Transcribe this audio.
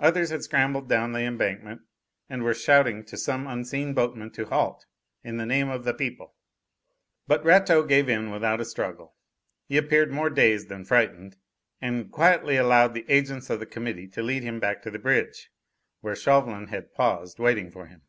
Others had scrambled down the embankment and were shouting to some unseen boatman to "halt, in the name of the people!" But Rateau gave in without a struggle. He appeared more dazed than frightened, and quietly allowed the agents of the Committee to lead him back to the bridge, where Chauvelin had paused, waiting for him.